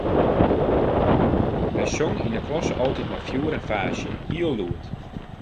Hy song yn 'e klasse altyd mei fjoer en faasje, hiel lûd.